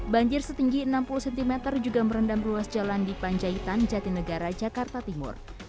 banjir setinggi enam puluh cm juga merendam ruas jalan di panjaitan jatinegara jakarta timur